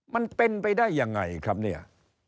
มันเป็นไปได้ยังไงครับเนี่ย